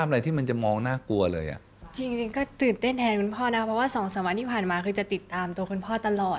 เพราะว่า๒๓วันที่ผ่านมาคือจะติดตามคุณพ่อตลอด